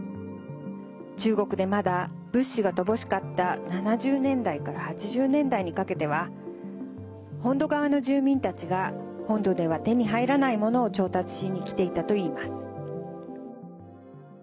中国で、まだ物資が乏しかった７０年代から８０年代にかけては本土側の住民たちが本土では手に入らないものを調達しにきていたといいます。